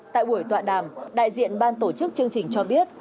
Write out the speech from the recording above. tại buổi tọa đàm đại diện ban tổ chức chương trình cho biết